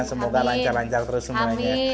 semoga lanjang lanjang terus semuanya